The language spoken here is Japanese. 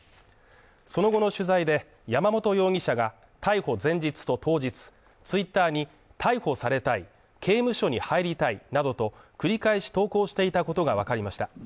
その後の取材で山本容疑者が逮捕前日と当日ツイッターに逮捕されたい刑務所に入りたいなどと繰り返し投稿していたことがわかりました。